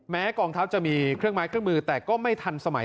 กองทัพจะมีเครื่องไม้เครื่องมือแต่ก็ไม่ทันสมัย